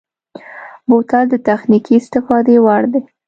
بوتل د تخنیکي استفادې وړ دی.